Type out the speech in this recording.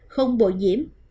không bồi nhiễm